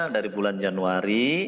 dari bulan januari